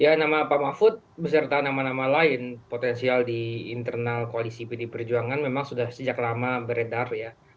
ya nama pak mahfud beserta nama nama lain potensial di internal koalisi pd perjuangan memang sudah sejak lama beredar ya